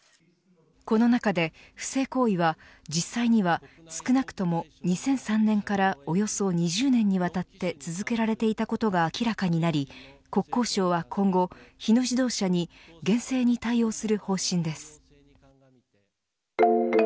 この中で、不正行為は実際には少なくとも２００３年からおよそ２０年にわたって続けられていたことが明らかになり、国交省は今後日野自動車に厳正に対応する方針です。